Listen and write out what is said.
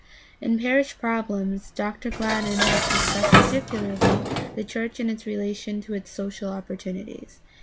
In Parish Problems (New York: Century Co., 1887) Dr. Gladden has discussed particularly the church in its relation to its social opportunities.